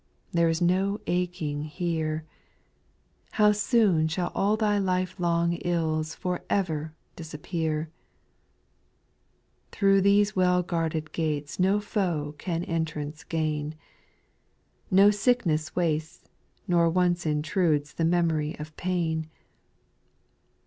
There is no aching here ; How soon shall all thy life long ills For ever disappear I 3. Thro' these well guarded gates No foe can entrance gain , No sickness wastes, nor once intrudes The memory of pain.